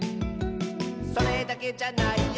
「それだけじゃないよ」